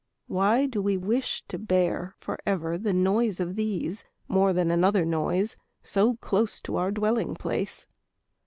Why do we wish to bear Forever the noise of these More than another noise So close to our dwelling place?